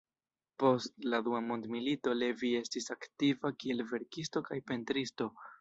Post la dua mondmilito Levi estis aktiva kiel verkisto kaj pentristo.